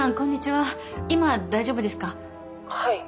はい。